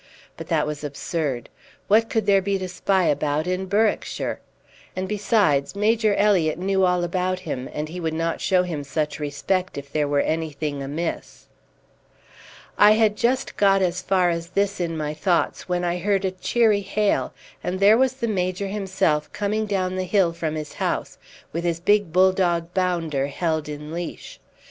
But that was absurd. What could there be to spy about in Berwickshire? And besides, Major Elliott knew all about him, and he would not show him such respect if there were anything amiss. I had just got as far as this in my thoughts when I heard a cheery hail, and there was the Major himself coming down the hill from his house, with his big bulldog Bounder held in leash.